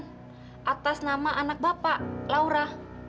kartu tambahan atas nama anak bapak laura